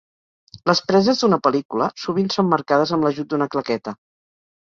Les preses d’una pel·lícula sovint són marcades amb l'ajut d'una claqueta.